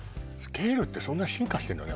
ケールってそんな進化してんのね